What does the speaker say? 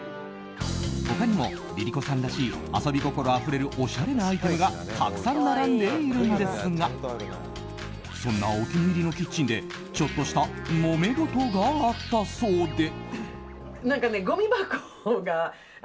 他にもＬｉＬｉＣｏさんらしい遊び心あふれるおしゃれなアイテムがたくさん並んでいるんですがそんなお気に入りのキッチンでちょっとしたもめごとがあったそうで。